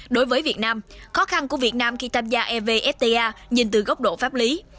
đối với việt nam khó khăn của việt nam khi tham gia evfta nhìn từ góc độ pháp lý